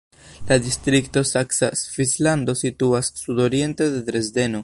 La distrikto Saksa Svislando situas sudoriente de Dresdeno.